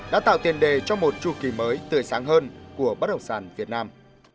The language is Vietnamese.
đã tạo tiền đề cho một chu kỳ mới tươi sáng hơn của bất động sản việt nam